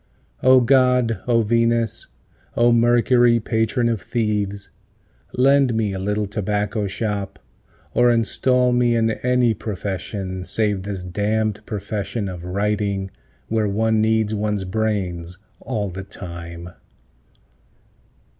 O God, O Venus, O Mercury, patron of thieves, Lend me a little tobacco shop, or install me in any profession Save this damn'd profession of writing, where one needs one's brains all the time.